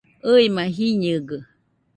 ɨima jiñɨgɨ